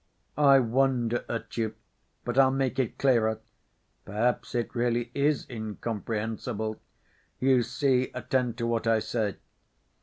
"I wonder at you. But I'll make it clearer. Perhaps it really is incomprehensible. You see, attend to what I say.